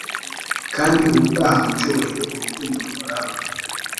kandi ubutaha mucyubahiro urukundo ruhoraho